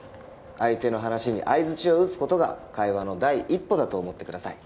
相手の話に相づちを打つことが会話の第一歩だと思ってください